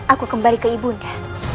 aku kembali ke ibunya